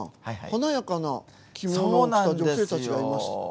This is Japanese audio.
華やかな着物を着た女性たちがいます。